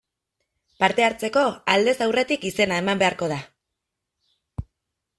Parte hartzeko, aldez aurretik izena eman beharko da.